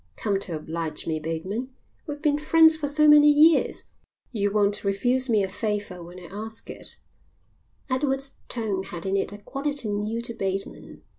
"Come to oblige me, Bateman. We've been friends for so many years, you won't refuse me a favour when I ask it." Edward's tone had in it a quality new to Bateman.